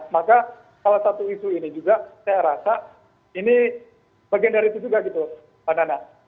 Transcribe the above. maka salah satu isu ini juga saya rasa ini bagian dari itu juga gitu mbak nana